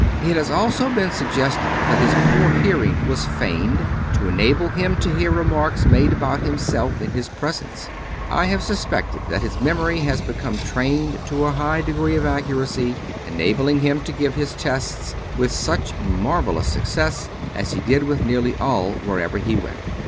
It has also been suggested that his poor hearing was feigned, to enable him to hear remarks made about himself in his presence. I have suspected that his memory had become trained to a high degree of accuracy, enabling him to give his tests with such marvelous success, as he did with nearly all wherever he went.